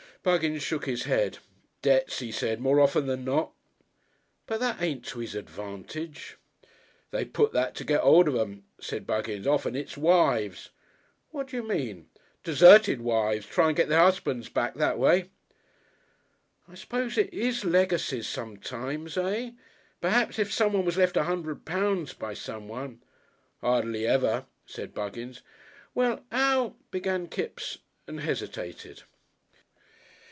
Buggins shook his head. "Debts," he said, "more often than not." "But that ain't to his advantage." "They put that to get 'old of 'em," said Buggins. "Often it's wives." "What you mean?" "Deserted wives, try and get their husbands back that way." "I suppose it is legacies sometimes, eh? Perhaps if someone was left a hundred pounds by someone " "Hardly ever," said Buggins. "Well, 'ow ?" began Kipps and hesitated.